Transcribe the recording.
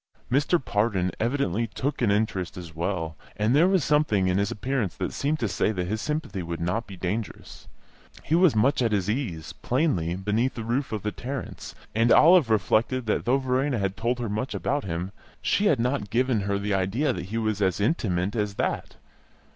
Mr. Pardon evidently took an interest as well, and there was something in his appearance that seemed to say that his sympathy would not be dangerous. He was much at his ease, plainly, beneath the roof of the Tarrants, and Olive reflected that though Verena had told her much about him, she had not given her the idea that he was as intimate as that.